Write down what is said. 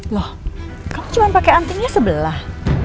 loh kamu cuma pakai antingnya sebelah